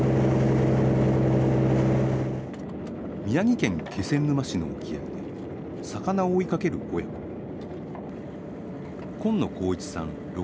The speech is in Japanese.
宮城県気仙沼市の沖合で魚を追いかける紺野幸一さん